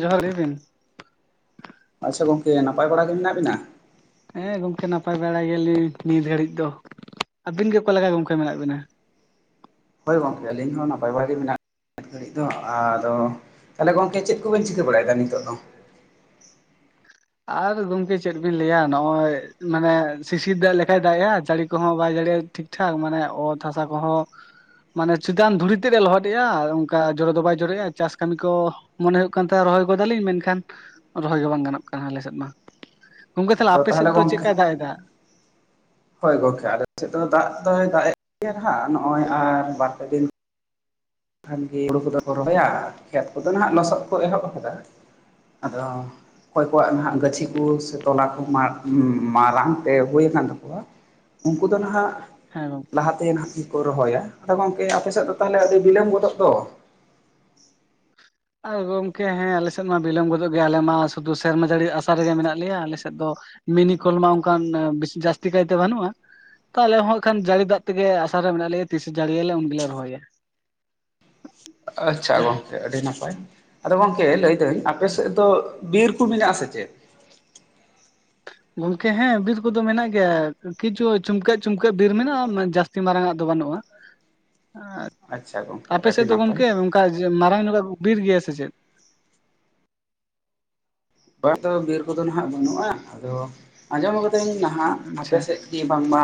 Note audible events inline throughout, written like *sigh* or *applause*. ᱡᱚᱦᱟᱨ ᱜᱮ *unintelligible* ᱥᱮ ᱱᱟᱯᱟᱭ ᱵᱟᱲᱟ ᱜᱮ ᱢᱮᱱᱟᱜ ᱵᱮᱱᱟ ᱦᱮᱸ ᱜᱚᱢᱠᱮ ᱱᱟᱯᱟᱭ ᱵᱟᱲᱟ ᱜᱮᱭᱟ ᱞᱤᱧ ᱱᱤᱛ ᱜᱷᱟᱹᱲᱤᱡ ᱫᱚ ᱟᱹᱵᱤᱱ ᱜᱮ ᱚᱠᱟ ᱞᱮᱠᱟ ᱜᱚᱢᱠᱮ ᱢᱮᱱᱟᱜ ᱵᱤᱱᱟ ᱦᱳᱭ ᱜᱚᱢᱠᱮ ᱟᱹᱞᱤᱧ ᱦᱚᱸ ᱱᱟᱯᱟᱭ ᱵᱟᱲᱟ ᱜᱮ ᱢᱮᱱᱟᱜ ᱛᱚ ᱟᱫᱚ ᱛᱟᱦᱚᱞᱮ ᱜᱚᱢᱠᱮ ᱪᱮᱫ ᱠᱚ ᱵᱮᱱ ᱪᱤᱠᱟᱹ ᱵᱟᱲᱟᱭ ᱮᱫᱟ ᱱᱤᱛᱚᱜ ᱫᱚ ᱟᱨ ᱜᱚᱢᱠᱮ ᱪᱮᱫ ᱵᱤᱱ ᱞᱟᱹᱭᱟ ᱱᱚᱜ ᱚᱭ ᱢᱟᱱᱮ ᱥᱤᱥᱤᱨ ᱫᱟᱜ ᱞᱮᱠᱟᱭ ᱫᱟᱜ ᱮᱫᱼᱟ ᱡᱟᱹᱲᱤ ᱠᱚᱦᱚᱸ ᱵᱟᱭ ᱡᱟᱹᱲᱤᱼᱟ ᱴᱷᱤᱠ ᱴᱷᱟᱠ ᱢᱟᱱᱮ ᱚᱛ ᱦᱟᱥᱟ ᱠᱚ ᱦᱚᱸ ᱢᱟᱱᱮ ᱪᱮᱛᱟᱱ ᱫᱷᱩᱲᱤ ᱛᱮᱫ ᱮ ᱞᱚᱦᱚᱫ ᱮᱫᱼᱟ ᱚᱱᱠᱟ ᱡᱚᱨᱚ ᱫᱚ ᱵᱟᱭ ᱡᱚᱨᱮᱜᱼᱟ ᱪᱟᱥ ᱠᱟᱹᱢᱤ ᱠᱚᱼᱼ ᱢᱚᱱᱮ ᱦᱩᱭᱩᱜ ᱠᱟᱱ ᱛᱟᱦᱮᱸ ᱨᱚᱦᱚᱭ ᱜᱚᱫ ᱟᱞᱤᱧ ᱢᱮᱱ ᱠᱷᱟᱱ ᱨᱚᱦᱚᱭ ᱜᱮ ᱵᱟᱝ ᱜᱟᱱᱚᱜ ᱠᱟᱱᱟ ᱟᱞᱮ ᱥᱮᱫ ᱢᱟ ᱜᱚᱢᱠᱮ ᱛᱟᱦᱚᱞᱮ ᱟᱫᱚ ᱟᱯᱮ ᱥᱮᱫ ᱫᱚ ᱪᱮᱫ ᱜᱚᱝᱠᱮ ᱞᱮᱠᱟᱭ ᱫᱟᱜ ᱮᱫ-ᱟ ᱦᱳᱭ ᱜᱚᱢᱠᱮ ᱟᱞᱮ ᱥᱮᱫ ᱫᱚ ᱫᱟᱜ ᱫᱚᱭ ᱫᱟᱜ ᱜᱮᱭᱟ ᱦᱟᱸᱜ ᱱᱚᱜᱼᱚᱭ ᱟᱨ ᱵᱟᱨ ᱯᱮ ᱫᱤᱱ ᱠᱷᱟᱱ ᱜᱮ ᱦᱩᱲᱩ ᱠᱚᱫᱚ ᱠᱚ ᱨᱚᱦᱚᱭᱟ ᱠᱷᱮᱛ ᱠᱚᱫᱚ ᱦᱟᱸᱜ ᱞᱚᱥᱚᱫ ᱠᱚ ᱮᱦᱚᱵ ᱟᱠᱟᱫᱟ ᱟᱫᱚᱼᱼ ᱚᱠᱚᱭ ᱠᱚᱣᱟᱜ ᱱᱟᱦᱟᱜ ᱜᱟᱹᱪᱷᱤ ᱠᱚ ᱥᱮ ᱛᱚᱞᱟ ᱠᱚ ᱢᱟᱲᱟᱝ ᱛᱮ ᱦᱩᱭ ᱟᱠᱟᱱ ᱛᱟᱠᱚᱣᱟ ᱩᱱᱠᱩ ᱫᱚ ᱱᱟᱦᱟᱜ ᱦᱮᱸ ᱜᱚᱢᱠᱮ, ᱞᱟᱦᱟ ᱛᱮ ᱱᱟᱦᱟᱜ ᱜᱮ ᱠᱚ ᱨᱚᱦᱚᱭᱟ ᱟᱫᱚ ᱜᱚᱝᱠᱮ ᱟᱯᱮ ᱥᱮᱫ ᱫᱚ ᱛᱟᱦᱚᱞᱮ ᱟᱹᱰᱤ ᱵᱤᱞᱚᱢ ᱜᱚᱫᱚᱜ ᱫᱚ ᱟᱨ ᱜᱚᱢᱠᱮ ᱦᱮᱸ ᱟᱞᱮ ᱥᱮᱫ ᱢᱟ ᱵᱤᱞᱚᱢ ᱜᱚᱫᱚᱜ ᱜᱮᱭᱟ ᱟᱞᱮ ᱢᱟ ᱥᱩᱫᱩ ᱥᱮᱨᱢᱟ ᱡᱟᱹᱲᱤ ᱟᱥᱟ ᱨᱮᱜᱮ ᱢᱮᱱᱟᱜ ᱞᱮᱭᱟ ᱟᱞᱮ ᱥᱮᱫ ᱫᱚ ᱢᱤᱱᱤ ᱠᱚᱞ ᱢᱟ ᱚᱱᱠᱟᱱ ᱵᱤᱥᱤ ᱡᱟᱹᱥᱛᱤ ᱠᱟᱭ ᱛᱮ ᱵᱟᱹᱱᱩᱜᱼᱟ ᱛᱚ ᱟᱞᱮ ᱦᱚᱸ ᱟᱸᱠᱷᱟᱱ ᱡᱟᱹᱲᱤ ᱫᱟᱜ ᱛᱮ ᱜᱮ ᱟᱥᱟ ᱨᱮ ᱢᱮᱱᱟᱜ ᱞᱮᱭᱟ ᱛᱤᱥᱮ ᱡᱟᱹᱲᱤᱭᱟᱞᱮ ᱩᱱ ᱜᱮᱞᱮ ᱨᱚᱦᱚᱭᱟ ᱟᱪᱪᱷᱟ ᱜᱚᱝᱠᱮ ᱟᱹᱰᱤ ᱱᱟᱯᱟᱭ ᱟᱫᱚ ᱜᱚᱝᱠᱮ ᱞᱟᱹᱭ ᱫᱟᱹᱧ ᱟᱯᱮ ᱥᱮᱫ ᱫᱚᱼᱼ ᱵᱤᱨ ᱠᱚ ᱢᱮᱱᱟᱜ-ᱟ ᱟᱥᱮ ᱪᱮᱫ? ᱜᱚᱢᱠᱮ ᱦᱮᱸ ᱵᱤᱨ ᱠᱚᱫᱚ ᱢᱮᱱᱟᱜ ᱜᱮᱭᱟ, ᱠᱤᱪᱷᱩ ᱪᱷᱩᱢᱠᱟᱹᱜ ᱪᱩᱢᱠᱟᱹᱜ ᱵᱤᱨ ᱢᱮᱱᱟᱜᱼᱟ ᱟᱨ ᱚᱱᱟ ᱡᱟᱥ ᱛᱤ ᱢᱟᱨᱟᱝ-ᱟᱜ ᱫᱚ ᱵᱟᱹᱱᱩᱜᱼᱟ, ᱟᱪᱪᱷᱟ ᱜᱚᱝᱠᱮ ᱟᱯᱮ ᱟᱹᱰᱤ ᱥᱮᱫ ᱫᱚ ᱱᱟᱯᱟᱭ ᱜᱚᱢᱠᱮ? ᱠᱟᱡᱽ ᱢᱟᱨᱟᱝ ᱧᱚᱜ-ᱟᱜ ᱵᱤᱨ ᱜᱮᱭᱟ ᱥᱮ ᱪᱮᱫ? ᱵᱟ ᱟᱫᱚ ᱵᱤᱨ ᱠᱚᱫᱚ ᱱᱟᱦᱟᱜ ᱵᱟᱹᱱᱩᱜᱼᱟ, ᱟᱫᱚ ᱟᱸᱡᱚᱢ ᱠᱟᱹᱫᱟᱹᱧ ᱱᱟᱦᱟᱜ ᱟᱪᱪᱷᱟ ᱟᱯᱮ ᱥᱮᱡ ᱡᱮ ᱵᱟᱝᱢᱟ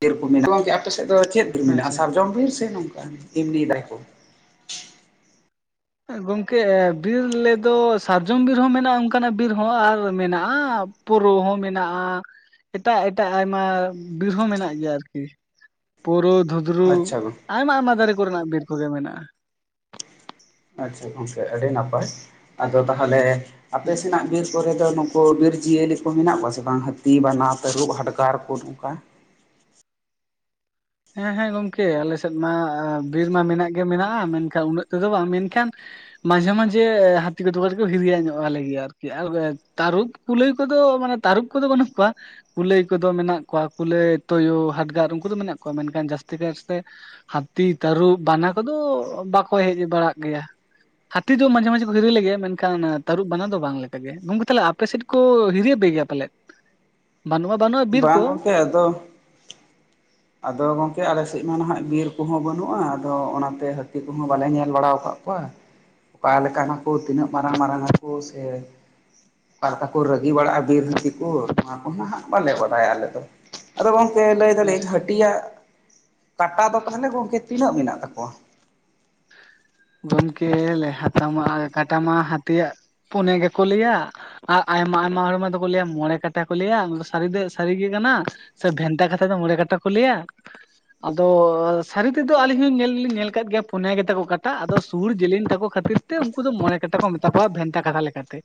ᱵᱤᱨ ᱠᱚ ᱢᱮᱱᱟᱜ, ᱜᱚᱝᱠᱮ ᱟᱯᱮ ᱥᱮᱫ ᱫᱚ ᱪᱮᱫ ᱵᱤᱨ ᱢᱮᱱᱟᱜᱼᱟ ᱟᱪᱪᱷᱟ ᱥᱟᱨᱡᱚᱢ ᱵᱤᱨ ᱥᱮ ᱱᱚᱝᱠᱟᱱ ᱮᱢᱱᱤ ᱫᱟᱨᱮ ᱠᱚ? ᱜᱚᱝᱠᱮ ᱵᱤᱨ ᱞᱟᱹᱭ ᱫᱚ ᱥᱟᱨᱡᱚᱢ ᱵᱤᱨ ᱦᱚᱸ ᱢᱮᱱᱟᱜᱼᱟ ᱚᱱᱠᱟᱱᱟᱜ ᱵᱤᱨ ᱦᱚᱸ ᱟᱨ ᱢᱮᱱᱟᱜᱼᱟ ᱯᱳᱨᱳ ᱦᱚᱸ ᱢᱮᱱᱟᱜᱼᱟ, ᱮᱴᱟᱜ ᱮᱴᱟᱜ ᱟᱭᱢᱟ ᱵᱤᱨ ᱦᱚᱸ ᱢᱮᱱᱟᱜ ᱜᱮᱭᱟ ᱟᱨᱠᱤ ᱾ ᱯᱳᱨᱳ, ᱫᱷᱩᱫᱽᱨᱩ ᱟᱪᱪᱷᱟ ᱜᱚᱝ ᱟᱭᱢᱟ ᱟᱭᱢᱟ ᱫᱟᱨᱮ ᱠᱚ ᱨᱮᱱᱟᱜ ᱵᱤᱨ ᱠᱚᱜᱮ ᱢᱮᱱᱟᱜᱼᱟ᱾ ᱟᱪᱪᱷᱟ ᱜᱚᱝᱠᱮ ᱟᱹᱰᱤ ᱱᱟᱯᱟᱭ, ᱟᱫᱚ ᱛᱟᱦᱚᱞᱮ ᱟᱯᱮ ᱦᱩᱸ ᱥᱮᱱᱟᱜ ᱵᱤᱨ ᱠᱚᱨᱮ ᱫᱚ ᱱᱩᱠᱩ ᱵᱤᱨ ᱡᱤᱭᱟᱹᱞᱤ ᱠᱚ ᱢᱮᱱᱟᱜ ᱠᱚᱣᱟ ᱥᱮ ᱵᱟᱝ ᱦᱟᱹᱛᱤ, ᱵᱟᱱᱟ, ᱛᱟᱹᱨᱩᱵᱽ, ᱦᱟᱰᱜᱟᱨ ᱠᱚ ᱱᱚᱝᱠᱟ? ᱦᱮᱸ ᱦᱮᱸ ᱜᱚᱢᱠᱮ ᱟᱞᱮ ᱥᱮᱫ ᱢᱟ ᱵᱤᱨ ᱢᱟ ᱢᱮᱱᱟᱜ ᱜᱮ ᱢᱮᱱᱟᱜᱼᱟ, ᱢᱮᱱᱠᱷᱟᱱ ᱩᱱᱟᱹᱜ ᱛᱮᱫᱚ ᱵᱟᱝ᱾ ᱢᱮᱱᱠᱷᱟᱱ ᱢᱟᱡᱷᱮ ᱢᱟᱡᱷᱮ ᱦᱟᱹᱛᱤ ᱠᱚᱫᱚ ᱠᱟᱴᱤᱡ ᱠᱚ ᱦᱤᱨᱤᱭᱟ ᱧᱚᱜ ᱟᱞᱮ ᱜᱮᱭᱟ ᱟᱨᱠᱤ ᱟᱨ ᱛᱟᱹᱨᱩᱵᱽ ᱠᱩᱞᱟᱹᱭ ᱠᱚᱫᱚ ᱢᱟᱱᱮ ᱛᱟᱹᱨᱩᱵᱽ ᱠᱚᱫᱚ ᱵᱟᱹᱱᱩᱜ ᱠᱚᱣᱟ᱾ ᱠᱩᱞᱟᱹᱭ ᱠᱚᱫᱚ ᱢᱮᱱᱟᱜ ᱠᱚᱣᱟ, ᱠᱩᱞᱟᱹᱭ ᱛᱳᱭᱳ, ᱦᱟᱰᱽᱜᱟᱨ ᱩᱱᱠᱩ ᱫᱚ ᱢᱮᱱᱟᱜ ᱠᱚᱣᱟ ᱢᱮᱱᱠᱷᱟᱱ ᱡᱟᱹᱥᱛᱤ ᱠᱟᱭᱛᱮ ᱦᱟᱹᱛᱤ, ᱛᱟᱹᱨᱩᱵᱽ, ᱵᱟᱱᱟ ᱠᱚᱫᱚ ᱵᱟᱠᱚ ᱦᱮᱡ ᱵᱟᱲᱟᱜ ᱜᱮᱭᱟ᱾ ᱦᱟᱹᱛᱤ ᱫᱚ ᱢᱟᱡᱷᱮ ᱢᱟᱡᱷᱮ ᱠᱚ ᱦᱤᱨᱤ ᱞᱮ ᱜᱮᱭᱟ᱾ ᱢᱮᱱᱠᱷᱟᱱ ᱛᱟᱹᱨᱩᱵᱽ, ᱵᱟᱱᱟ ᱫᱚ ᱵᱟᱝ ᱞᱮᱠᱟ ᱜᱮ᱾ ᱜᱚᱝᱠᱮ ᱛᱟᱦᱚᱞᱮ ᱟᱯᱮ ᱥᱮᱫ ᱠᱚ ᱦᱤᱨᱭᱟᱯᱮ ᱜᱮᱭᱟ ᱯᱟᱞᱮᱫ? ᱵᱟᱹᱱᱩᱜ ᱢᱟᱟ ᱵᱟᱹᱱᱩᱜᱼᱟ ᱵᱤᱨ ᱠᱚ᱾ ᱦᱮᱸ ᱟᱫᱚ ᱟᱫᱚ ᱜᱚᱝᱠᱮ ᱟᱞᱮ ᱥᱮᱡ ᱢᱟ ᱱᱟᱦᱟᱜ ᱵᱤᱨ ᱠᱚᱦᱚᱸ ᱵᱟᱹᱱᱩᱜᱼᱟ, ᱟᱫᱚ ᱚᱱᱟᱛᱮ ᱦᱟᱹᱛᱤ ᱠᱚᱦᱚᱸ ᱵᱟᱞᱮ ᱧᱮᱞ ᱵᱟᱲᱟᱣ ᱠᱟᱫ ᱠᱚᱣᱟ᱾ ᱚᱠᱟ ᱞᱮᱠᱟᱱ ᱟᱠᱩ? ᱛᱤᱱᱟᱹᱜ ᱢᱟᱨᱟᱝ ᱢᱟᱨᱟᱝ ᱟᱠᱩ? ᱥᱮ ᱚᱠᱟ ᱞᱮᱠᱟ ᱠᱚ ᱨᱟᱹᱜᱤ ᱵᱟᱲᱟᱜᱼᱟ ᱵᱤᱨ ᱦᱟᱛᱤ ᱠᱩ? ᱱᱚᱶᱟ ᱠᱚ ᱢᱟ ᱦᱟᱸᱜ ᱵᱟᱞᱮ ᱵᱟᱰᱟᱭᱟ ᱟᱞᱮ ᱫᱚ᱾ ᱟᱫᱚ ᱜᱚᱝ ᱠᱮ ᱞᱟᱹᱭ ᱫᱟᱹᱞᱤᱧ ᱦᱟᱹᱴᱤᱭᱟᱜ ᱠᱟᱴᱟ ᱫᱚ ᱛᱟᱦᱚᱞᱮ ᱜᱚᱝᱠᱮ ᱛᱤᱱᱟᱹᱜ ᱢᱮᱱᱟᱜ ᱛᱟᱠᱚᱣᱟ? ᱜᱚᱢᱠᱮ ᱞᱮ ᱦᱟᱛᱟ ᱢᱟ ᱠᱟᱴᱟ ᱢᱟ ᱦᱟᱛᱤᱭᱟᱜ ᱯᱩᱱᱭᱟᱹ ᱜᱮᱠᱚ ᱞᱟᱹᱭᱟ᱾ ᱟᱨ ᱟᱭᱢᱟ ᱟᱭᱢᱟ ᱦᱚᱲ ᱢᱟ ᱫᱚᱠᱚ ᱞᱟᱹᱭᱟ ᱢᱚᱬᱮ ᱠᱟᱴᱟ ᱠᱚ ᱞᱟᱹᱭᱟ, ᱚᱱᱟ ᱫᱚ ᱥᱟᱹᱨᱤ ᱫᱚ ᱥᱟᱹᱨᱤ ᱜᱮ ᱠᱟᱱᱟ᱾ ᱥᱮ ᱵᱷᱮᱱᱛᱟ ᱠᱟᱛᱷᱟ ᱛᱮ ᱢᱚᱬᱮ ᱠᱟᱴᱟ ᱠᱚ ᱞᱟᱹᱭᱟ? ᱟᱫᱚᱻ ᱥᱟᱹᱨᱤ ᱛᱮᱫᱚ ᱟᱞᱤᱧ ᱦᱚᱸᱧ ᱧᱮᱞ ᱞᱤᱧ ᱧᱮᱞ ᱟᱠᱟᱫ ᱜᱮᱭᱟ᱾ ᱯᱳᱱᱭᱟ ᱜᱮᱛᱟ ᱠᱚ ᱠᱟᱴᱟ ᱟᱫᱚ ᱥᱩᱬ ᱡᱮᱞᱮᱧ ᱛᱟᱠᱚ ᱠᱷᱟᱹᱛᱤᱨ ᱛᱮ, ᱩᱱᱠᱩ ᱫᱚ ᱢᱚᱬᱮ ᱠᱟᱴᱟ ᱠᱚ ᱢᱮᱛᱟ ᱠᱚᱣᱟ ᱵᱷᱮᱱᱛᱟ ᱠᱟᱛᱷᱟ ᱞᱮᱠᱟᱛᱮ᱾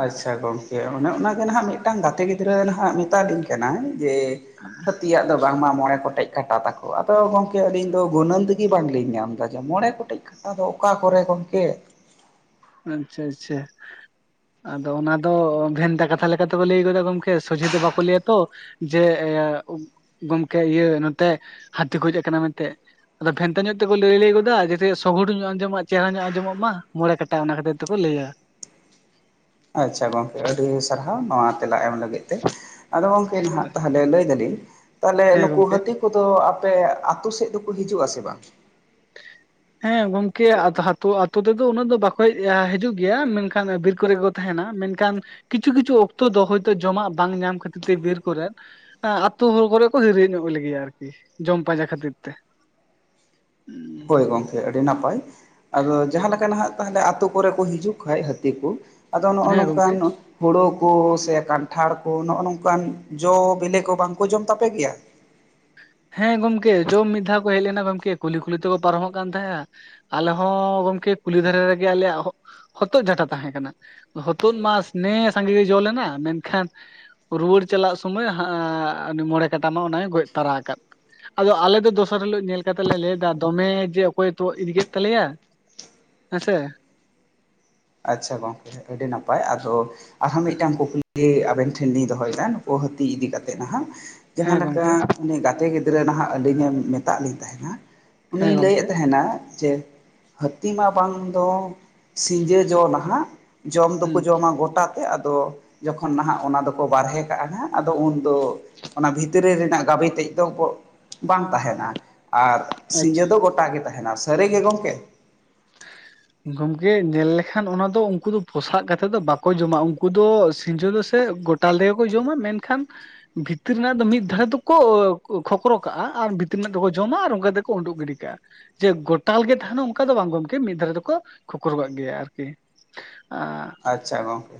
ᱟᱪᱪᱷᱟ ᱜᱚᱝᱠᱮ ᱚᱱᱮ ᱚᱱᱟᱜᱮ ᱱᱟᱦᱟᱜ ᱢᱤᱫᱴᱟᱝ ᱜᱟᱛᱮ ᱜᱤᱫᱽᱨᱟᱹ ᱱᱟᱦᱟᱜ ᱢᱮᱛᱟᱞᱤᱧ ᱠᱟᱱᱟᱭ ᱡᱮ ᱦᱟᱹᱛᱤᱭᱟᱜ ᱫᱚ ᱵᱟᱝ ᱢᱟ ᱢᱚᱬᱮ ᱜᱚᱴᱮᱡ ᱠᱟᱴᱟ ᱛᱟᱠᱚ, ᱟᱫᱚ ᱜᱚᱝᱠᱮ ᱟᱹᱞᱤᱧ ᱫᱚ ᱜᱩᱱᱟᱹᱱ ᱛᱮᱜᱮ ᱵᱟᱝ ᱞᱤᱧ ᱧᱟᱢ ᱫᱟ ᱡᱮ ᱢᱚᱬᱮ ᱜᱚᱴᱮᱡ ᱟᱫᱚ ᱚᱠᱟ ᱠᱚᱨᱮ ᱜᱚᱝᱠᱮ? ᱟᱪᱪᱷᱟ ᱟᱪᱪᱷᱟ᱾ ᱟᱫᱚ ᱚᱱᱟ ᱫᱚ ᱵᱷᱮᱱᱛᱟ ᱠᱟᱛᱷᱟ ᱞᱮᱠᱟᱛᱮ ᱠᱚ ᱞᱟᱹᱭ ᱜᱚᱫᱟ ᱜᱚᱝᱠᱮ, ᱥᱚᱡᱷᱮ ᱫᱚ ᱵᱟᱠᱚ ᱞᱟᱹᱭᱟ ᱛᱚ᱾ ᱡᱮ ᱜᱚᱢᱠᱮ ᱤᱭᱟᱹ ᱱᱚᱛᱮ ᱦᱟᱹᱛᱤ ᱠᱚ ᱦᱮᱡ ᱟᱠᱟᱱᱟ ᱢᱮᱱᱛᱮ᱾ ᱟᱫᱚ ᱵᱷᱮᱱᱛᱟ ᱧᱚᱜ ᱛᱮᱠᱚ ᱞᱟᱹᱭ ᱞᱟᱹᱭ ᱜᱚᱫᱟ, ᱡᱟᱛᱮ ᱥᱚᱦᱳᱲ ᱧᱚᱜ ᱟᱸᱡᱚᱢᱚᱜ ᱪᱮᱦᱨᱟ ᱧᱚᱜ ᱟᱸᱡᱚᱢᱚᱜ ᱢᱟ ᱢᱚᱬᱮ ᱠᱟ ᱴᱟ ᱚᱱᱟ ᱠᱷᱟᱹᱛᱤᱨ ᱛᱮᱠᱚ ᱞᱟᱹᱭᱟ᱾ ᱟᱪᱪᱷᱟ ᱜᱚᱝᱠᱮ ᱟᱹᱰᱤ ᱥᱟᱨᱦᱟᱣ ᱱᱚᱶᱟ ᱛᱮᱞᱟ ᱮᱢ ᱞᱟᱹᱜᱤᱫ ᱛᱮ ᱾ ᱟᱫᱚ ᱜᱚᱝ ᱠᱮ ᱱᱟᱦᱟᱜ ᱞᱟᱹᱭ ᱫᱟᱞᱤᱧ ᱛᱟᱦᱚᱞᱮ ᱦᱮᱸ ᱱᱩᱠᱩ ᱜᱚᱝᱠᱮ ᱦᱟᱹᱛᱤ ᱠᱚᱫᱚ ᱟᱯᱮ ᱟᱛᱩ ᱥᱮᱫ ᱫᱚᱠᱚ ᱦᱤᱡᱩᱜ-ᱟ ᱥᱮ ᱵᱟᱝ? *inaudible* ᱦᱮᱸ ᱜᱚᱝᱠᱮ ᱦᱟᱛᱳ ᱟᱛᱳ ᱛᱮᱫᱚ ᱩᱱᱟᱹᱜ ᱫᱚ ᱵᱟᱠᱚ ᱦᱮᱡ ᱦᱤᱡᱩᱜ ᱜᱮᱭᱟ, ᱢᱮᱱᱠᱷᱟᱱ ᱵᱤᱨ ᱠᱚᱨᱮ ᱠᱚ ᱛᱟᱦᱮᱱᱟ, ᱢᱮᱱᱠᱷᱟᱱ ᱠᱤᱪᱷᱩ ᱠᱤᱪᱷᱩ ᱚᱠᱛᱚ ᱫᱚ ᱦᱚᱭᱛᱳ ᱡᱚᱢᱟᱜ ᱵᱟᱝ ᱧᱟᱢ ᱠᱷᱟᱹᱛᱤᱨ ᱛᱮ ᱵᱤᱨ ᱠᱚᱨᱮᱫ ᱟᱹᱛᱩ ᱦᱚᱲ ᱠᱚᱨᱮ ᱠᱚ ᱦᱤᱨᱤ ᱧᱚᱜ ᱞᱮᱜᱮᱭᱟ ᱟᱨᱠᱤ ᱡᱚᱢ ᱯᱟᱸᱡᱟ ᱠᱷᱟᱹᱛᱤᱨ ᱛᱮ ᱦᱳᱭ ᱜᱚᱢᱠᱮ ᱟᱹᱰᱤ ᱱᱟᱯᱟᱭ ᱟᱫᱚ ᱡᱟᱦᱟᱸ ᱞᱮᱠᱟ ᱱᱟᱦᱟᱜ ᱛᱟᱞᱦᱮ ᱟᱛᱳ ᱠᱚᱨᱮ ᱠᱚ ᱦᱤᱡᱩᱜ ᱠᱷᱟᱡ ᱦᱟᱹᱛᱤ ᱠᱚ ᱟᱫᱚ ᱱᱚᱜᱼᱚ ᱦᱮᱸ ᱜᱚᱝᱠᱮ ᱱᱚᱝᱠᱟᱱ ᱦᱳᱲᱳ ᱠᱚ ᱥᱮ ᱠᱟᱱᱴᱷᱟᱲ ᱠᱚ ᱱᱚᱜᱼᱚ ᱱᱚᱝᱠᱟᱱ ᱡᱚ ᱵᱮᱞᱮ ᱠᱚ ᱵᱟᱝᱠᱚ ᱡᱚᱢ ᱛᱟᱯᱮ ᱜᱮᱭᱟ ᱦᱮᱸ ᱜᱚᱢᱠᱮ ᱡᱚᱢ ᱢᱤᱫ ᱫᱷᱟᱣ ᱠᱚ ᱦᱮᱡ ᱞᱮᱱᱟ ᱜᱚᱢᱠᱮ ᱠᱩᱞᱦᱤ ᱠᱩᱞᱦᱤ ᱛᱮᱠᱚ ᱯᱟᱨᱚᱢᱚᱜ ᱠᱟᱱ ᱛᱟᱦᱮᱸᱜᱼᱟ ᱟᱞᱮ ᱦᱚᱸ ᱜᱚᱝᱠᱮ ᱠᱩᱞᱦᱤ ᱫᱷᱟᱨᱮ ᱨᱮᱜᱮ ᱟᱞᱮᱭᱟᱜᱼᱼ ᱦᱚᱛᱚᱫ ᱡᱷᱟᱴᱟ ᱛᱟᱦᱮᱸ ᱠᱟᱱᱟ ᱦᱚᱛᱚᱫ ᱢᱟᱥ ᱱᱮ ᱥᱟᱸᱜᱮ ᱜᱮ ᱡᱚ ᱞᱮᱱᱟ ᱢᱮᱱᱠᱷᱟᱱ ᱨᱩᱣᱟᱹᱲ ᱪᱟᱞᱟᱜ ᱥᱳᱢᱚᱭ ᱦᱟᱸᱻ ᱩᱱᱤ ᱢᱚᱬᱮ ᱠᱟᱴᱟ ᱢᱟ ᱚᱱᱟᱭ ᱜᱚᱡ ᱛᱟᱨᱟ ᱟᱠᱟᱫ ᱟᱫᱚ ᱟᱞᱮ ᱫᱚ ᱫᱚᱥᱟᱨ ᱦᱤᱞᱳᱜ ᱧᱮᱞ ᱠᱟᱛᱮ ᱞᱮ ᱞᱟᱹᱭ ᱫᱟ ᱫᱚᱢᱮ ᱡᱮ ᱚᱠᱚᱭ ᱛᱚ ᱤᱫᱤ ᱠᱮᱫ ᱛᱟᱞᱮᱭᱟ᱾ ᱦᱮᱸ ᱥᱮ ᱟᱪᱪᱷᱟ ᱜᱚᱝᱠᱮ ᱟᱹᱰᱤ ᱱᱟᱯᱟᱭ ᱟᱫᱚ ᱟᱨᱦᱚᱸ ᱢᱤᱫᱴᱟᱝ ᱠᱩᱠᱞᱤ ᱡᱮ ᱟᱵᱮᱱ ᱴᱷᱮᱱ ᱞᱤᱧ ᱫᱚᱦᱚᱭᱮᱫᱟ ᱱᱩᱠᱩ ᱦᱟᱹᱛᱤ ᱤᱫᱤ ᱠᱟᱛᱮᱫ ᱱᱟᱦᱟᱜ ᱦᱮᱸ ᱡᱟᱦᱟᱸ ᱞᱮᱠᱟ ᱜᱚᱢᱠᱮ ᱩᱱᱤ ᱜᱟᱛᱮ ᱜᱤᱫᱽᱨᱟᱹ ᱱᱟᱦᱟᱜ ᱟᱞᱤᱧᱮ ᱢᱮᱛᱟᱫ ᱞᱤᱧ ᱛᱟᱦᱮᱱᱟ ᱦᱮᱸ ᱩᱱᱤᱭ ᱜᱚᱢᱠᱮ ᱞᱟᱹᱭᱮᱫ ᱛᱟᱦᱮᱱᱟ ᱡᱮ ᱦᱟᱹᱛᱤ ᱢᱟ ᱵᱟᱝ ᱫᱚ ᱥᱤᱧ ᱡᱚ ᱱᱟᱦᱟᱸᱜ ᱡᱚᱢ ᱦᱩᱸ ᱫᱚᱠᱚ ᱡᱚᱢᱟ ᱜᱚᱴᱟ ᱛᱮ ᱟᱫᱚ ᱡᱚᱠᱷᱚᱱ ᱱᱟᱦᱟᱜ ᱚᱱᱟ ᱫᱚᱠᱚ ᱵᱟᱨᱦᱮ ᱠᱟᱜᱼᱟ ᱱᱟᱜ ᱟᱫᱚ ᱩᱱᱫᱚ ᱚᱱᱟ ᱵᱷᱤᱛᱨᱤ ᱨᱮᱱᱟᱜ ᱜᱟᱵᱮ ᱛᱮᱫ ᱫᱚ ᱠᱚ ᱵᱟᱝ ᱛᱟᱦᱮᱱᱟ ᱟᱨ ᱟᱪᱪᱷᱟ ᱥᱤᱸᱡᱳ ᱫᱚ ᱜᱚᱴᱟ ᱜᱮ ᱛᱟᱦᱮᱱᱟ ᱥᱟᱹᱨᱤᱜᱮ ᱜᱚᱢᱠᱮ ᱦᱮ ᱜᱚᱝᱠᱮ ᱧᱮᱞ ᱞᱮᱠᱷᱟᱱ ᱚᱱᱟ ᱫᱚ ᱩᱱᱠᱩ ᱫᱚ ᱯᱚᱥᱟᱜ ᱠᱟᱛᱮᱫ ᱫᱚ ᱵᱟᱠᱚ ᱡᱚᱢᱟ ᱩᱱᱠᱩ ᱫᱚ ᱥᱤᱸᱡᱳ ᱫᱚ ᱥᱮ ᱜᱚᱴᱟᱞ ᱛᱮᱜᱮ ᱠᱚ ᱡᱚᱢᱟ ᱢᱮᱱᱠᱷᱟᱱ ᱵᱷᱤᱛᱤᱨ ᱨᱮᱱᱟᱜ ᱫᱚ ᱢᱤᱫ ᱫᱷᱟᱨᱮ ᱫᱚᱠᱚ ᱠᱷᱚᱠᱨᱚ ᱠᱟᱜᱼᱟ ᱟᱨ ᱵᱷᱤᱛᱤᱨ ᱨᱮᱱᱟᱜ ᱫᱚᱠᱚ ᱡᱚᱢᱟ ᱟᱨ ᱚᱱᱠᱟ ᱛᱮᱠᱚ ᱩᱰᱩᱜ ᱜᱤᱰᱤ ᱠᱟᱜᱼᱟ᱾ ᱡᱮ ᱜᱚᱴᱟᱞ ᱜᱮ ᱛᱟᱦᱮᱱᱟ ᱚᱱᱠᱟ ᱫᱚ ᱵᱟᱝ ᱜᱚᱢᱼᱼ ᱠᱤ ᱢᱤᱫ ᱫᱷᱟᱨᱮ ᱫᱚᱠᱚ ᱠᱷᱚᱠᱨᱚ ᱠᱟᱜ ᱜᱮᱭᱟ ᱟᱨᱠᱤ ᱟᱻ ᱟᱪᱪᱷᱟ ᱜᱚᱝᱠᱮ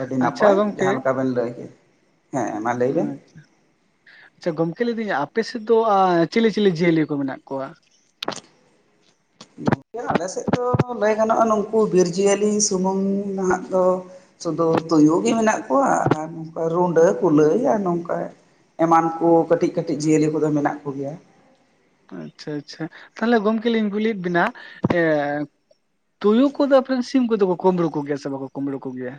ᱟᱹᱰᱤ ᱟᱪᱪᱷᱟ ᱱᱟᱯᱟᱭ ᱜᱚᱢᱠᱮ ᱡᱟᱦᱟᱸ ᱞᱮᱠᱟ ᱵᱮᱱ ᱞᱟᱹᱭ ᱠᱮᱫ ᱦᱮᱸ ᱢᱟ ᱞᱟᱹᱭ ᱵᱮᱱ ᱟᱪᱪᱷᱟ ᱜᱚᱢᱠᱮ ᱞᱤᱫᱟᱹᱧ ᱟᱯᱮᱥᱮᱫ ᱫᱚ ᱟ ᱪᱤᱞᱤ ᱪᱤᱞᱤ ᱡᱤᱭᱟᱹᱞᱤ ᱠᱚ ᱢᱮᱱᱟᱜ ᱠᱚᱣᱟ? ᱜᱚᱝᱠᱮ ᱟᱞᱮ ᱥᱮᱫ ᱫᱚ ᱞᱟᱹᱭ ᱜᱟᱱᱚᱜᱼᱟ ᱱᱩᱠᱩ ᱵᱤᱨ ᱡᱤᱭᱟᱹᱞᱤ ᱥᱩᱢᱩᱝ ᱱᱟᱦᱟᱜ ᱫᱚ ᱥᱩᱫᱩ ᱛᱩᱭᱩ ᱜᱮ ᱢᱮᱱᱟᱜ ᱠᱚᱣᱟ ᱟᱨ ᱱᱚᱝᱠᱟ ᱨᱩᱰᱟᱹ ᱠᱩᱞᱟᱹᱭ ᱟᱨ ᱱᱚᱝᱠᱟ ᱮᱢᱟᱱ ᱠᱚ ᱠᱟᱹᱴᱤᱡ ᱠᱟᱹᱴᱤᱡ ᱡᱤᱭᱟᱹᱞᱤ ᱠᱚᱫᱚ ᱢᱮᱱᱟᱜ ᱠᱚᱜᱮᱭᱟ ᱾ ᱟᱪᱪᱷᱟ ᱟᱪᱪᱷᱟ ᱛᱟᱞᱦᱮ ᱜᱚᱢᱠᱮ ᱞᱤᱧ ᱠᱩᱞᱤᱭᱮᱫ ᱵᱮᱱᱟ ᱮᱻ ᱛᱩᱭᱩ ᱠᱚᱫᱚ ᱟᱯᱮ ᱨᱮᱱ ᱥᱤᱢ ᱠᱚᱫᱚ ᱠᱚ ᱠᱩᱢᱵᱽᱲᱩ ᱠᱚ ᱜᱮᱭᱟ ᱥᱮ ᱵᱟᱠᱚ ᱠᱩᱢᱵᱽᱲᱩ ᱠᱚ ᱜᱮᱭᱟ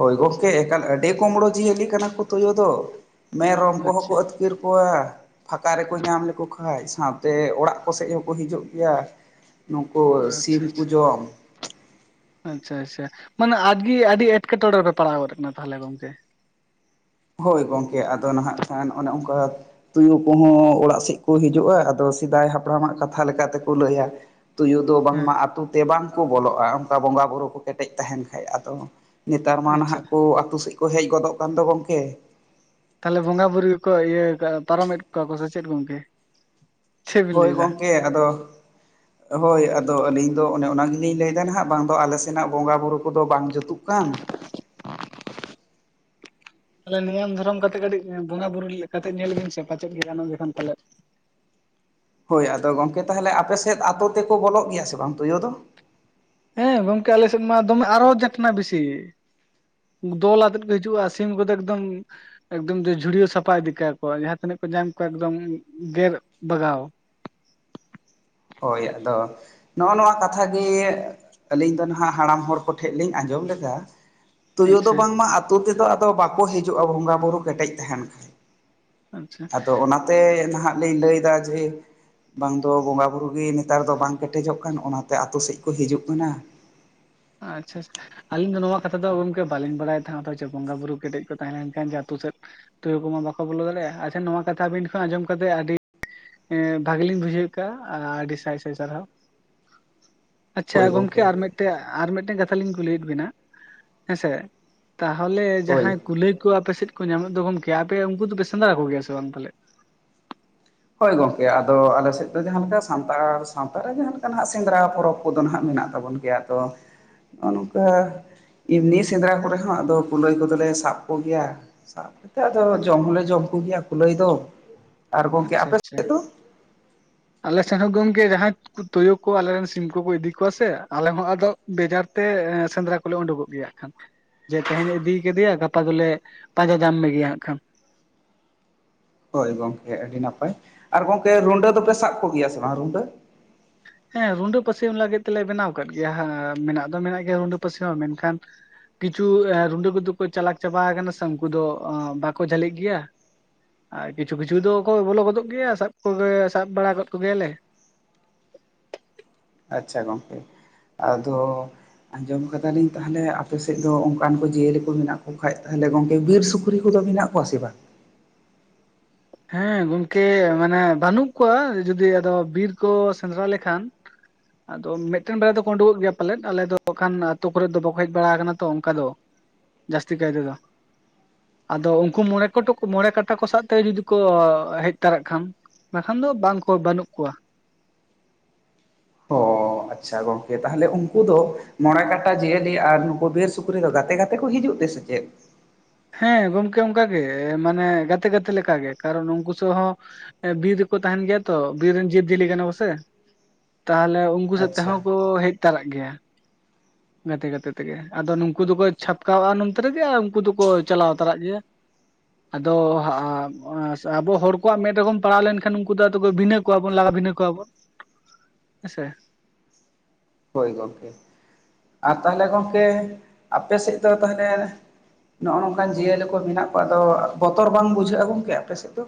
ᱦᱳᱭ ᱜᱚᱝᱠᱮ ᱮᱠᱟᱞ ᱟᱹᱰᱤ ᱠᱚᱢᱲᱳ ᱡᱤᱭᱟᱹᱞᱤ ᱠᱟᱱᱟ ᱠᱚ ᱛᱳᱭᱳ ᱫᱚ ᱢᱮᱨᱚᱢ ᱠᱚᱦᱚᱸ ᱟᱪᱪᱷᱟ ᱠᱚ ᱟᱹᱛᱠᱤᱨ ᱠᱚᱣᱟ ᱯᱷᱟᱸᱠᱟ ᱨᱮᱠᱚ ᱧᱟᱢ ᱞᱮᱠᱚ ᱠᱷᱟᱡ ᱥᱟᱶᱛᱮ ᱚᱲᱟᱜ ᱠᱚᱥᱮᱫ ᱦᱚᱸᱠᱚ ᱦᱤᱡᱩᱜ ᱜᱮᱭᱟ᱾ ᱱᱩᱠᱩ ᱥᱤᱢ ᱟᱪᱪᱷᱟ ᱠᱚ ᱟᱪᱪᱷᱟ ᱡᱚᱢ᱾ ᱟᱪᱪᱷᱟ ᱟᱪᱪᱷᱟ ᱢᱟᱱᱮ ᱟᱜᱮ ᱟᱹᱰᱤ ᱮᱴᱠᱮᱴᱚᱲᱮ ᱨᱮᱯᱮ ᱯᱟᱲᱟᱣ ᱜᱚᱫ ᱠᱟᱱᱟ ᱛᱟᱦᱚᱞᱮ ᱜᱚᱝᱠᱮ᱾ ᱦᱳᱭ ᱜᱚᱝᱠᱮ ᱟᱫᱚ ᱱᱟᱦᱟᱜ ᱠᱷᱟᱱ ᱚᱱᱮ ᱚᱱᱠᱟ ᱛᱩᱭᱩ ᱠᱚᱦᱚᱸ ᱚᱲᱟᱜ ᱥᱮᱫ ᱠᱚ ᱦᱤᱡᱩᱜᱼᱟ ᱟᱫᱚ ᱥᱮᱫᱟᱭ ᱦᱟᱯᱲᱟᱢᱟᱜ ᱠᱟᱛᱷᱟ ᱞᱮᱠᱟᱛᱮᱠᱚ ᱞᱟᱹᱭᱟ ᱛᱩᱭᱩ ᱫᱚ ᱦᱮᱸ ᱵᱟᱝᱢᱟ ᱟᱹᱛᱩ ᱛᱮ ᱵᱟᱝᱠᱚ ᱵᱚᱞᱚᱜᱼᱟ ᱚᱱᱠᱟ ᱵᱚᱸᱜᱟᱼᱵᱩᱨᱩ ᱠᱚ ᱠᱮᱴᱮᱡ ᱛᱟᱦᱮᱱ ᱠᱷᱟᱡ ᱟᱫᱚ ᱱᱮᱛᱟᱨ ᱢᱟ ᱟᱪᱪᱷᱟ ᱱᱟᱦᱟᱜ ᱠᱚ ᱟᱛᱳ ᱥᱮᱫ ᱠᱚ ᱦᱮᱡ ᱜᱚᱫᱚᱜ ᱠᱟᱱ ᱫᱚ ᱜᱚᱝᱠᱮ᱾ ᱛᱟᱞᱦᱮ ᱵᱚᱸᱜᱟ ᱵᱩᱨᱩ ᱜᱮᱠᱚ ᱤᱭᱟᱹ ᱯᱟᱨᱚᱢᱮᱫ ᱠᱚᱣᱟ ᱠᱚ ᱥᱮ ᱪᱮᱫ ᱜᱚᱝᱠᱮ᱾ ᱪᱮᱫ ᱵᱤᱱ ᱦᱳᱭ ᱞᱟᱹᱭ ᱮᱫᱟ ᱜᱚᱝᱠᱮ ᱟᱫᱚ ᱦᱳᱭ ᱟᱫᱚ ᱟᱹᱞᱤᱧ ᱫᱚ ᱚᱱᱮ ᱚᱱᱟ ᱜᱮᱞᱤᱧ ᱞᱟᱹᱭᱮᱫᱟ ᱱᱟᱦᱟᱜ ᱵᱟᱝ ᱫᱚ ᱟᱞᱮ ᱥᱮᱱᱟᱜ ᱵᱚᱸᱜᱟ ᱵᱩᱨᱩ ᱠᱚᱫᱚ ᱵᱟᱝ ᱡᱩᱛᱩᱜ ᱠᱟᱱ᱾ ᱛᱟᱞᱦᱮ ᱱᱤᱭᱚᱢ ᱫᱷᱚᱨᱚᱢ ᱠᱟᱛᱮᱜ ᱠᱟᱹᱴᱤᱡ ᱵᱚᱸᱜᱟ ᱵᱩᱨᱩ ᱠᱟᱛᱮ ᱧᱮᱞ ᱵᱤᱱ ᱥᱮ ᱯᱟᱪᱮᱫ ᱜᱮ ᱜᱟᱱᱚᱜ ᱡᱚᱠᱷᱟᱱ ᱯᱟᱞᱮ ᱦᱳᱭ ᱟᱫᱚ ᱜᱚᱝᱠᱮ ᱛᱟᱦᱚᱞᱮ ᱟᱯᱮ ᱥᱮᱫ ᱟᱛᱳ ᱛᱮᱠᱚ ᱵᱚᱞᱚᱜ ᱜᱮᱭᱟ ᱥᱮ ᱵᱟᱝ ᱛᱳᱭᱳ ᱫᱚ? ᱦᱮᱸ ᱜᱚᱝᱠᱮ ᱟᱞᱮ ᱥᱮᱫ ᱢᱟ ᱫᱚᱢᱮ ᱟᱨᱚ ᱡᱟᱴᱱᱟᱜ ᱵᱮᱥᱤ᱾ ᱫᱚᱞ ᱟᱛᱮᱜ ᱠᱚ ᱦᱤᱡᱩᱜᱼᱟ ᱥᱤᱢ ᱠᱚᱫᱚ ᱮᱠᱫᱚᱢ ᱮᱠᱫᱚᱢ ᱡᱷᱩᱲᱭᱟᱹᱣ ᱥᱟᱯᱷᱟ ᱤᱫᱤ ᱠᱟᱠᱚ ᱡᱟᱦᱟᱸ ᱛᱤᱱᱟᱹᱜ ᱠᱚ ᱧᱟᱢ ᱠᱚᱣᱟ ᱮᱠᱫᱚᱢ ᱜᱮᱨ ᱵᱟᱜᱟᱣ ᱾ ᱦᱳᱭ ᱟᱫᱚ ᱱᱚᱜᱼᱚ ᱱᱚᱣᱟ ᱠᱟᱛᱷᱟ ᱜᱮ ᱟᱹᱞᱤᱧ ᱫᱚ ᱱᱟᱦᱟᱸᱜ ᱦᱟᱲᱟᱢ ᱦᱚᱲ ᱠᱚᱴᱷᱮᱱ ᱞᱤᱧ ᱟᱸᱡᱚᱢ ᱞᱮᱫᱟ, ᱛᱳᱭᱳ ᱫᱚ ᱟᱪᱪᱷᱟ ᱵᱟᱝᱢᱟ ᱟᱹᱛᱩ ᱛᱮᱫᱚ ᱵᱟᱠᱚ ᱦᱤᱡᱩᱜᱼᱟ ᱵᱚᱸᱜᱟᱼᱵᱩᱨᱩ ᱠᱮᱴᱮᱡ ᱛᱟᱦᱮᱱ ᱠᱷᱟᱡ, ᱟᱪᱪᱷᱟ ᱟᱫᱚ ᱚᱱᱟᱛᱮ ᱱᱟᱦᱟᱸᱜ ᱞᱤᱧ ᱞᱟᱹᱭᱫᱟ ᱡᱮ ᱵᱟᱝ ᱫᱚ ᱵᱚᱸᱜᱟ ᱵᱩᱨᱩ ᱜᱮ ᱱᱮᱛᱟᱨ ᱫᱚ ᱵᱟᱝ ᱠᱮᱴᱮᱡᱚᱜ ᱠᱟᱱ ᱚᱱᱟᱛᱮ ᱟᱛᱳ ᱥᱮᱡ ᱠᱚ ᱦᱤᱡᱩᱜ ᱠᱟᱱᱟ ᱾ ᱟᱪᱪᱷᱟ ᱟᱪᱷᱷᱟ ᱾ ᱟᱞᱤᱧ ᱫᱚ ᱱᱚᱣᱟ ᱠᱟᱛᱷᱟ ᱫᱚ ᱜᱚᱝᱠᱮ ᱵᱟᱹᱞᱤᱧ ᱵᱟᱲᱟᱭᱮᱫ ᱛᱟᱦᱮᱸᱜᱟ ᱡᱮ ᱵᱚᱸᱜᱟ ᱵᱩᱨᱩ ᱠᱮᱴᱮᱡ ᱠᱚ ᱛᱟᱦᱮᱸ ᱞᱮᱱᱠᱷᱟᱱ ᱡᱮ ᱟᱹᱛᱩ ᱥᱮᱫ ᱛᱩᱭᱩ ᱠᱚᱢᱟ ᱵᱟᱠᱚ ᱵᱚᱞᱚ ᱫᱟᱲᱮᱭᱟᱜᱼᱟ, ᱟᱪᱷᱟ ᱱᱚᱣᱟ ᱠᱟᱛᱷᱟ ᱟᱵᱤᱱᱷ ᱟᱸᱡᱚᱢ ᱠᱟᱛᱮᱫ ᱟᱹᱰᱤ ᱵᱷᱟᱜᱞᱤᱧ ᱵᱩᱡᱷᱟᱹᱣ ᱠᱮᱟᱜ ᱟᱹᱰᱤ ᱥᱟᱭ ᱥᱟᱭ ᱥᱟᱨᱦᱟᱹᱣ᱾ ᱟᱪᱪᱷᱟ ᱜᱚᱢᱠᱮ ᱟᱨ ᱢᱤᱫᱴᱮᱱ ᱟᱨ ᱢᱤᱫᱴᱮᱱ ᱠᱟᱛᱷᱟ ᱞᱤᱧ ᱠᱩᱞᱤᱭᱮᱫ ᱵᱤᱱᱟ ᱦᱮᱸᱥᱮ ᱛᱟᱦᱚᱞᱮ ᱦᱳᱭ ᱡᱟᱦᱟᱸᱭ ᱠᱩᱞᱟᱹᱭ ᱠᱚ ᱟᱯᱮ ᱥᱮᱫ ᱠᱚ ᱧᱟᱢᱚ ᱫᱚ ᱜᱚᱢᱠᱮ ᱟᱯᱮ ᱩᱱᱠᱩ ᱫᱚᱯᱮ ᱥᱮᱸᱫᱽᱨᱟ ᱠᱚ ᱜᱮᱭᱟ ᱥᱮ ᱵᱟᱝ ᱛᱟᱦᱟᱞᱮ? ᱦᱳᱭ ᱜᱚᱝᱠᱮ ᱟᱫᱚ ᱟᱞᱮ ᱥᱮᱫ ᱫᱚ ᱡᱟᱦᱟᱸ ᱞᱮᱠᱟ ᱥᱟᱱᱛᱟᱲ ᱥᱟᱶᱛᱟᱨᱮ ᱡᱟᱦᱟᱸ ᱞᱮᱠᱟ ᱱᱟᱸᱜ ᱥᱮᱸᱫᱽᱨᱟ ᱯᱚᱨᱚᱵᱽ ᱠᱚᱫᱚ ᱦᱟᱸᱜ ᱢᱮᱱᱟᱜ ᱛᱟᱵᱚᱱᱟ ᱜᱮᱭᱟ ᱛᱚ ᱱᱚᱜᱼᱱᱚᱝᱠᱟ ᱮᱢᱱᱤ ᱥᱮᱸᱫᱽᱨᱟ ᱠᱚᱨᱮ ᱦᱚᱸ ᱟᱫᱚ ᱠᱩᱞᱟᱹᱭ ᱠᱚᱫᱚᱞᱮ ᱥᱟᱵ ᱠᱚᱜᱮᱭᱟ, ᱥᱟᱵ ᱟᱫᱚ ᱡᱚᱢ ᱦᱚᱸᱞᱮ ᱡᱚᱢ ᱠᱚᱜᱮᱭᱟ ᱠᱩᱞᱟᱹᱭ ᱫᱚ, ᱟᱨ ᱟᱪᱪᱷᱟ ᱟᱯᱮ ᱟᱪᱪᱷᱟ ᱥᱮᱫ ᱫᱚ ᱟᱞᱮ ᱥᱮᱫ ᱦᱚᱸ ᱜᱚᱢᱠᱮ ᱡᱟᱦᱟᱸ ᱛᱳᱭᱳ ᱠᱚ ᱟᱞᱮᱨᱮᱱ ᱥᱤᱢ ᱠᱚᱠᱚ ᱤᱫᱤ ᱠᱚᱣᱟ ᱥᱮ ᱟᱞᱮ ᱦᱚᱸ ᱟᱫᱚ ᱵᱮᱡᱟᱨ ᱛᱮ ᱥᱮᱸᱫᱽᱨᱟ ᱠᱚᱞᱮ ᱩᱰᱩᱠᱚᱜ ᱜᱮᱭᱟ ᱾ ᱡᱮ ᱛᱮᱦᱮᱧ ᱤᱫᱤ ᱠᱟᱫᱮᱭᱟ ᱜᱟᱯᱟ ᱫᱚᱞᱮ ᱯᱟᱸᱡᱟ ᱧᱟᱢ ᱢᱮᱜᱮᱭᱟ ᱦᱟᱸᱜ ᱠᱷᱟᱱ *unintelligible* ᱦᱳᱭ ᱜᱚᱝᱠᱮ ᱟᱹᱰᱤ ᱱᱟᱯᱟᱭ ᱟᱨ ᱜᱚᱢᱠᱮ ᱨᱩᱸᱰᱟᱹ ᱫᱚᱯᱮ ᱥᱟᱵ ᱠᱚᱜᱮᱭᱟ ᱥᱮ ᱵᱟᱝ ᱨᱩᱰᱟᱹ? ᱦᱮᱸ ᱨᱩᱰᱟᱹ ᱯᱟᱹᱥᱤ ᱞᱟᱹᱜᱤᱫ ᱛᱮᱞᱮ ᱵᱮᱱᱟᱣ ᱠᱟᱫ ᱜᱮᱭᱟ ᱢᱮᱱᱟᱜ ᱫᱚ ᱢᱮᱱᱟᱜ ᱜᱮᱭᱟ ᱨᱩᱰᱟᱹ ᱯᱟᱹᱥᱤ ᱦᱚᱸ ᱢᱮᱱᱠᱷᱟᱱ ᱠᱤᱪᱷᱩ ᱨᱩᱸᱰᱟᱹ ᱠᱚᱫᱚ ᱠᱚ ᱪᱟᱞᱟᱠ ᱪᱟᱵᱟ ᱟᱠᱟᱱᱟ ᱥᱮ ᱩᱱᱠᱩ ᱫᱚ ᱵᱟᱠᱚ ᱡᱷᱟᱹᱞᱤᱜ ᱜᱮᱭᱟ ᱾ ᱟᱨ ᱠᱤᱪᱷᱩ ᱠᱤᱪᱷᱩ ᱫᱚᱠᱚ ᱵᱚᱞᱚ ᱜᱚᱫᱚᱜ ᱜᱮᱭᱟ ᱥᱟᱵ ᱠᱚᱜᱮ ᱥᱟᱵ ᱵᱟᱲᱟ ᱟᱠᱟᱫ ᱠᱚᱜᱮᱭᱟᱞᱮ ᱾ ᱟᱪᱪᱷᱟ ᱜᱚᱝᱠᱮ, ᱟᱫᱚ ᱟᱸᱡᱚᱢ ᱟᱠᱟ ᱫᱟᱞᱤᱧ ᱛᱟᱦᱚᱞᱮ ᱟᱯᱮ ᱥᱮᱫ ᱫᱚ ᱚᱱᱠᱟᱱ ᱠᱚ ᱡᱤᱭᱟᱹᱞᱤ ᱠᱚ ᱢᱮᱱᱟᱜ ᱠᱚ ᱠᱷᱟᱡ ᱛᱟᱦᱚᱞᱮ ᱜᱚᱝᱠᱮ ᱵᱤᱨ ᱥᱩᱠᱨᱤ ᱠᱚᱫᱚ ᱢᱮᱱᱟᱜ ᱠᱚᱣᱟ ᱥᱮ ᱵᱟᱝ? ᱦᱮᱸ ᱜᱚᱢᱠᱮ ᱢᱟᱱᱮ ᱵᱟᱹᱱᱩᱜ ᱠᱚᱣᱟ ᱡᱩᱫᱤ ᱟᱫᱚ ᱵᱤᱨ ᱠᱚ ᱥᱮᱸᱫᱽᱨᱟ ᱞᱮᱠᱷᱟᱱ ᱟᱫᱚ ᱢᱤᱫᱴᱮᱱ ᱵᱟᱨᱭᱟ ᱫᱚᱠᱚ ᱩᱰᱩᱠᱚᱜ ᱜᱮᱭᱟ ᱯᱟᱞᱮᱫ ᱟᱞᱮ ᱫᱚ ᱠᱷᱟᱱ ᱟᱛᱳ ᱠᱚᱨᱮᱫ ᱫᱚ ᱵᱟᱠᱚ ᱦᱮᱡ ᱵᱟᱲᱟ ᱟᱠᱟᱱᱟ ᱛᱚ ᱚᱱᱠᱟ ᱫᱚ ᱾ ᱡᱟᱹᱥᱛᱤ ᱠᱟᱭ ᱛᱮᱫᱚ ᱟᱫᱚ ᱩᱱᱠᱩ ᱢᱚᱬᱮ ᱠᱟᱴᱟ ᱠᱚ ᱥᱟᱶᱛᱮ ᱡᱩᱫᱤ ᱠᱚ ᱦᱮᱡ ᱛᱚᱨᱟᱜ ᱠᱷᱟᱱ ᱵᱟᱠᱷᱟᱱ ᱫᱚ ᱵᱟᱝ ᱠᱚ ᱵᱟᱹᱱᱩᱜ ᱠᱚᱣᱟ ᱾ ᱚᱻ ᱟᱪᱪᱷᱟ ᱜᱚᱝᱠᱮ ᱛᱟᱦᱚᱞᱮ ᱩᱱᱠᱩ ᱫᱚ ᱢᱚᱬᱮ ᱠᱟᱴᱟ ᱡᱤᱭᱟᱹᱞᱤ ᱟᱨ ᱱᱩᱠᱩ ᱵᱤᱨ ᱥᱩᱠᱨᱤ ᱫᱚ ᱜᱟᱛᱮ ᱜᱟᱛᱮ ᱠᱚ ᱦᱤᱡᱩᱜ ᱛᱮ ᱥᱮ ᱪᱮᱫ? ᱦᱮᱸ ᱜᱚᱢᱠᱮ ᱚᱱᱠᱟᱜ ᱜᱮ ᱢᱟᱱᱮ ᱜᱟᱛᱮ ᱜᱟᱛᱮ ᱞᱮᱠᱟᱜ ᱜᱮ ᱠᱟᱨᱚᱱ ᱩᱱᱠᱩ ᱥᱮ ᱦᱚᱸ ᱵᱤᱨ ᱨᱮᱠᱚ ᱛᱟᱦᱮᱱ ᱜᱮᱭᱟ ᱛᱚ ᱵᱤᱨ ᱨᱮᱱ ᱡᱤᱵᱽᱡᱤᱭᱟᱹᱞᱤ ᱠᱟᱱᱟ ᱠᱚ ᱥᱮ ᱛᱟᱦᱞᱮ ᱩᱱᱠᱩ *inaudible* ᱟᱪᱪᱷᱟ ᱛᱮᱦᱚᱸ ᱠᱚ ᱦᱮᱡ ᱮᱛᱟᱨᱟᱜ ᱜᱮᱭᱟ ᱜᱟᱛᱮ ᱜᱟᱛᱮ ᱛᱮᱜᱮ, ᱟᱫᱚ ᱱᱩᱠᱩ ᱫᱚᱠᱚ ᱪᱷᱟᱯᱠᱟᱣᱟᱜᱼᱟ ᱱᱚᱱᱛᱮ ᱨᱮᱜᱮ ᱟᱨ ᱩᱱᱠᱩ ᱫᱚ ᱠᱚ ᱪᱟᱞᱟᱣ ᱛᱚᱨᱟᱜ ᱜᱮᱭᱟ ᱾ ᱟᱫᱚ ᱟᱵᱚ ᱦᱚᱲ ᱠᱚᱣᱟᱜ ᱢᱮᱫ ᱨᱮᱠᱚ ᱯᱟᱲᱟᱣ ᱞᱮᱱᱠᱷᱟᱱ ᱩᱱᱠᱩ ᱫᱚ ᱟᱫᱚ ᱵᱷᱤᱱᱟᱹ ᱠᱚᱣᱟ ᱵᱚᱱ ᱞᱟᱜᱟ ᱵᱷᱤᱱᱟᱹ ᱠᱚᱣᱟ ᱵᱚᱱ ᱦᱮᱸ ᱥᱮ ᱾ ᱦᱳᱭ ᱜᱚᱢᱠᱮ ᱟᱨ ᱛᱟᱦᱚᱞᱮ ᱜᱚᱢᱠᱮ ᱟᱯᱮ ᱥᱮᱫ ᱫᱚ ᱛᱟᱦᱚᱞᱮ ᱱᱚᱜᱼᱚ ᱱᱚᱝᱠᱟᱱ ᱡᱤᱭᱟᱹᱞᱤ ᱠᱚ ᱢᱮᱱᱟᱜ ᱠᱚᱣᱟ ᱟᱫᱚ ᱵᱚᱛᱚᱨ ᱵᱟᱝ ᱵᱩᱡᱷᱟᱹᱜᱼᱟ ᱜᱚᱝᱠᱮ ᱟᱯᱮ ᱥᱮᱫ ᱫᱚ?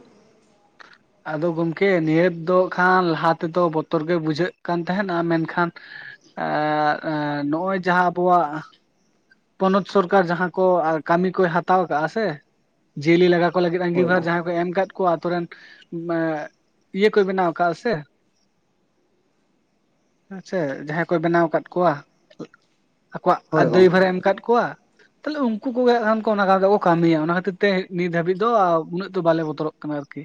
ᱟᱫᱚ ᱜᱚᱢᱠᱮ ᱱᱤᱦᱟᱹᱛ ᱫᱚ ᱠᱷᱟᱱ ᱞᱟᱦᱟ ᱛᱮᱫᱚ ᱵᱚᱛᱚᱨ ᱜᱮ ᱵᱩᱡᱷᱟᱹᱜ ᱠᱟᱱ ᱛᱟᱦᱮᱸᱱᱟ ᱢᱮᱱᱠᱷᱟᱱ ᱮᱸ ᱱᱚᱜᱼᱚᱭ ᱡᱟᱦᱟᱸ ᱟᱵᱚᱣᱟᱜ ᱯᱚᱱᱚᱛ ᱥᱚᱨᱠᱟᱨ ᱡᱟᱦᱟᱸ ᱠᱚ ᱠᱟᱹᱢᱤ ᱠᱚᱭ ᱦᱟᱛᱟᱣ ᱟᱠᱟᱫᱼᱟ ᱥᱮ ᱡᱤᱭᱟᱹᱞᱤ ᱞᱟᱜᱟ ᱠᱚ ᱞᱟᱹᱜᱤᱫ ᱦᱳᱭ ᱟᱸᱜᱤᱵᱷᱟᱨ ᱜᱚᱝᱠᱮ ᱡᱟᱦᱟᱸᱭ ᱠᱚ ᱮᱢ ᱟᱠᱟᱫ ᱠᱚ ᱟᱛᱩᱨ ᱨᱮᱱ ᱤᱭᱟᱹ ᱠᱚᱭ ᱵᱮᱱᱟᱣ ᱟᱠᱟᱫ ᱥᱮ᱾ ᱦᱮᱸᱥᱮ ᱡᱟᱦᱟᱸᱭ ᱠᱚᱭ ᱵᱮᱱᱟᱣ ᱟᱠᱟᱫ ᱠᱚᱣᱟ ᱟᱠᱚᱣᱟᱜ ᱦᱳᱭ ᱜᱚᱝᱠᱮ ᱫᱟᱹᱭᱵᱷᱟᱨᱮ ᱮᱢ ᱟᱠᱟᱫ ᱠᱚᱣᱟ᱾ ᱛᱟᱦᱞᱮ ᱩᱱᱠᱩ ᱠᱚᱜᱮ ᱠᱷᱟᱱ ᱠᱚ ᱚᱱᱟ ᱠᱟᱛᱮ ᱠᱚ ᱠᱟᱹᱢᱤᱭᱟ ᱚᱱᱟ ᱠᱷᱟᱹᱛᱤᱨ ᱛᱮ ᱱᱤᱛ ᱦᱟᱹᱵᱤᱡ ᱫᱚ ᱩᱱᱟᱹᱜ ᱫᱚ ᱵᱟᱞᱮ ᱵᱚᱛᱚᱨᱚᱜ ᱠᱟᱱᱟ ᱟᱨᱠᱤ᱾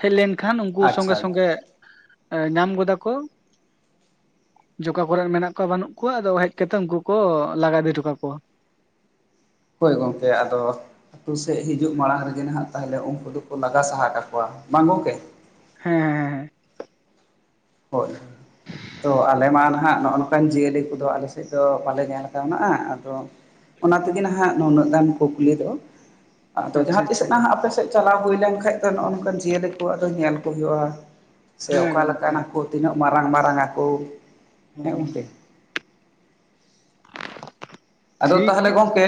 ᱦᱮᱡ ᱞᱮᱱᱠᱷᱟᱱ ᱩᱱᱠᱩ ᱥᱚᱸᱜᱮ ᱟᱪᱪᱷᱟ ᱥᱚᱸᱜᱮ ᱧᱟᱢ ᱜᱚᱫᱟ ᱠᱚ᱾ ᱡᱮ ᱚᱠᱟ ᱠᱚᱨᱮᱱ ᱢᱮᱱᱟᱜ ᱠᱚᱣᱟ ᱵᱟᱹᱱᱩᱜ ᱠᱚᱣᱟ ᱟᱫᱚ ᱦᱮᱡ ᱠᱟᱛᱮ ᱩᱱᱠᱩ ᱠᱚ ᱞᱟᱜᱟ ᱤᱫᱤ ᱦᱚᱴᱚ ᱠᱟᱠᱚᱣᱟ᱾ ᱦᱳᱭ ᱜᱚᱝᱠᱮ ᱟᱫᱚ ᱟᱛᱳ ᱥᱮᱫ ᱦᱤᱡᱩᱜ ᱢᱟᱲᱟᱝ ᱨᱮᱜᱮ ᱱᱟᱦᱟᱜ ᱛᱟᱦᱚᱞᱮ ᱩᱱᱠᱩ ᱫᱚᱠᱚ ᱞᱟᱜᱟ ᱥᱟᱦᱟ ᱠᱟᱠᱚᱣᱟ ᱵᱟᱝ ᱜᱚᱝᱠᱮ? ᱦᱮᱻ ᱦᱳᱜ ᱛᱚ ᱟᱞᱮ ᱢᱟ ᱱᱟᱦᱟᱜ ᱱᱚᱜᱼᱚ ᱱᱚᱝᱠᱟᱱ ᱡᱤᱭᱟᱹᱞᱤ ᱠᱚᱫᱚ ᱟᱞᱮ ᱥᱮᱫ ᱫᱚ ᱵᱟᱞᱮ ᱧᱮᱞ ᱠᱟᱣᱱᱟᱜᱼᱟ, ᱟᱫᱚ ᱚᱱᱟ ᱛᱮᱜᱮ ᱱᱟᱦᱟᱜ ᱱᱩᱱᱟᱹᱜ ᱜᱟᱱ ᱠᱩᱠᱞᱤ ᱫᱚ, ᱟᱫᱚ ᱟᱪᱪᱷᱟ ᱡᱟᱦᱟᱸ ᱟᱪᱪᱷᱟ ᱛᱤᱥᱚᱜ ᱱᱟᱦᱟᱜ ᱟᱯᱮ ᱥᱮᱫ ᱪᱟᱞᱟᱣ ᱦᱩᱭ ᱞᱮᱱᱠᱷᱟᱡ ᱫᱚ ᱱᱚᱜᱼᱚ ᱱᱚᱝᱠᱟᱱ ᱡᱤᱭᱟᱹᱞᱤ ᱠᱚ ᱟᱫᱚ ᱧᱮᱞ ᱠᱚ ᱦᱩᱭᱩᱜᱼᱟ, ᱥᱮ ᱦᱮᱸ ᱚᱠᱟ ᱜᱚᱝᱠᱮ ᱞᱮᱠᱟᱱᱟᱜ ᱠᱳ ᱛᱤᱱᱟᱹᱜ ᱢᱟᱨᱟᱝ ᱢᱟᱨᱟᱝ ᱟᱠᱳ? ᱦᱩᱸ ᱦᱩᱸ ᱦᱩᱸ᱾ ᱟᱫᱚ ᱴᱷᱤᱠ ᱛᱟᱦᱚᱞᱮ ᱜᱮᱭᱟ ᱜᱚᱢᱠᱮ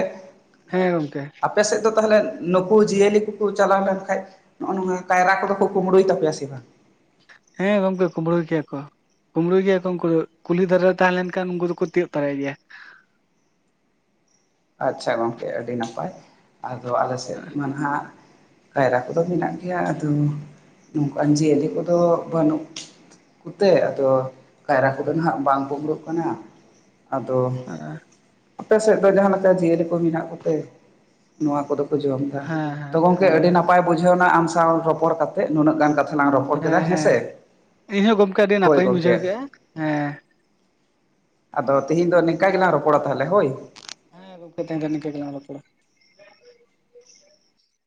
ᱦᱮᱸ ᱜᱚᱝᱠᱮ *inaudible* ᱟᱯ ᱟᱯᱮ ᱥᱮᱫ ᱫᱚ ᱛᱟᱦᱚᱞᱮ ᱱᱩᱠᱩ ᱡᱤᱭᱟᱹᱞᱤ ᱠᱚᱠᱚ ᱪᱟᱞᱟᱣ ᱞᱮᱱ ᱠᱷᱟᱡ ᱱᱚᱜᱼᱚ ᱱᱚᱣᱟ ᱠᱟᱭᱨᱟ ᱠᱚᱫᱚ ᱠᱚ ᱠᱩᱢᱵᱽᱲᱩᱭ ᱛᱟᱯᱮᱭᱟ ᱥᱮ ᱵᱟᱝ? ᱦᱮᱸ ᱜᱚᱝᱠᱮ ᱠᱩᱢᱵᱽᱲᱩᱭ ᱠᱮᱭᱟ ᱠᱚ᱾ ᱠᱩᱸᱵᱽᱲᱩᱭ ᱜᱮᱭᱟ ᱠᱚ ᱩᱱᱠᱩ ᱫᱚ ᱠᱩᱞᱤ ᱫᱷᱟᱨᱮ ᱨᱮ ᱛᱟᱦᱮᱸ ᱞᱮᱱ ᱠᱷᱟᱱ ᱩᱱᱠᱩ ᱫᱩᱠᱩ ᱛᱤᱭᱳᱜ ᱛᱚᱨᱟᱭ ᱜᱮᱭᱟ᱾ ᱟᱪᱪᱷᱟ, ᱜᱚᱝᱠᱮ ᱟᱹᱰᱤ ᱱᱟᱯᱟᱭ ᱟᱫᱚ ᱟᱞᱮ ᱥᱮᱫ ᱢᱟ ᱱᱟᱦᱟᱜ ᱠᱟᱭᱨᱟ ᱠᱚᱫᱚ ᱢᱮᱱᱟᱜ ᱜᱮᱭᱟ ᱟᱫᱚ ᱱᱚᱝᱠᱟᱱ ᱡᱤᱭᱟᱹᱞᱤ ᱠᱚᱫᱚ ᱵᱟᱹᱱᱩᱜ ᱠᱩᱛᱮ ᱟᱫᱚ ᱠᱟᱭᱨᱟ ᱠᱚᱫᱚ ᱱᱟᱦᱟᱜ ᱵᱟᱝ ᱠᱩᱢᱲᱩᱜ ᱠᱟᱱᱟ᱾ ᱟᱫᱚ ᱦᱮᱸ *inaudible* ᱟᱯᱮ ᱥᱮᱫ ᱫᱚ ᱡᱟᱦᱟᱸ ᱱᱟᱠᱮ ᱡᱤᱭᱟᱹᱞᱤ ᱠᱚ ᱢᱮᱱᱟᱜ ᱠᱚᱛᱮ *inaudible* ᱱᱚᱣᱟ ᱠᱚᱫᱚ ᱡᱚᱢ ᱫᱟ ᱦᱮᱸ ᱛᱚ ᱜᱚᱢᱠᱮ ᱦᱮᱸ ᱟᱹᱰᱤ ᱱᱟᱯᱟᱭ ᱵᱩᱡᱷᱟᱹᱣ ᱮᱱᱟ ᱟᱢ ᱥᱟᱶ ᱨᱚᱯᱚᱲ ᱠᱟᱛᱮ ᱱᱩᱱᱟᱹᱜ ᱜᱟᱱ ᱠᱟᱛᱷᱟ ᱞᱟᱝ ᱨᱚᱯᱚᱲ ᱠᱮᱫᱟ ᱦᱮᱸ ᱦᱮᱸᱥᱮ ᱦᱮᱸ ᱤᱧ ᱦᱚᱸ ᱜᱚᱝᱠᱮ ᱟᱹᱰᱤ ᱦᱳᱭ ᱱᱟᱯᱟᱭᱤᱧ ᱜᱚᱝᱠᱮ ᱵᱩᱡᱷᱟᱹᱣ ᱠᱮᱫᱼᱟ ᱦᱮᱸ, ᱟᱫᱚ ᱛᱤᱦᱤᱧ ᱫᱚ ᱱᱮᱝᱠᱟ ᱜᱮᱞᱟᱝ ᱨᱚᱯᱚᱲᱟ ᱛᱟᱦᱚᱞᱮ ᱦᱳᱭ, ᱦᱮᱸ ᱜᱚᱝᱠᱮ ᱛᱮᱦᱮᱧ ᱫᱚ ᱱᱤᱧᱠᱟᱹ ᱜᱮᱞᱟᱝ ᱨᱚᱯᱚᱲᱟ᱾